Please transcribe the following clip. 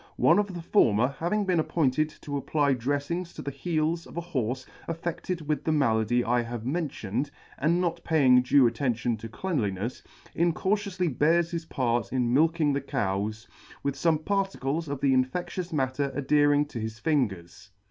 One of the former having been appointed to apply dreflinss to the heels of a Horfe affe£led with the malady I have mentioned, and not paying due attention to cleanlinefs, incautioufly bears his part in milking the Cows, with fome particles of the infe£!ious matter adhering to his fingers.